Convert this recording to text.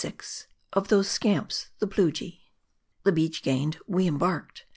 OF THOSE SCAMPS THE PLUJII. THE beach gained, 'we embarked.